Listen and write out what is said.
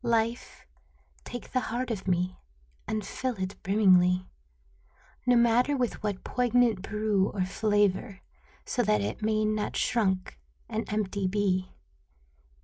Life, take the heart of me And fill it brimmingly, No matter with what poignant brew or flavor. So that it may not shrunk and empty be.